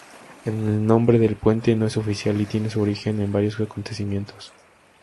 El nombre del puente no es oficial, y tiene su origen en varios acontecimientos.